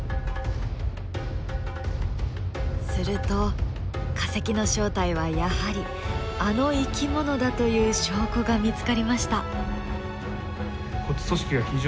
すると化石の正体はやはりあの生き物だという証拠が見つかりました。